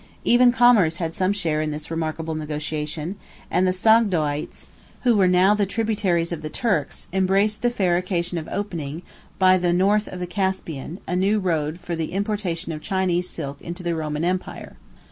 Even commerce had some share in this remarkable negotiation: and the Sogdoites, who were now the tributaries of the Turks, embraced the fair occasion of opening, by the north of the Caspian, a new road for the importation of Chinese silk into the Roman empire.